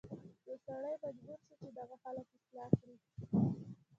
نو سړی مجبور شي چې دغه خلک اصلاح کړي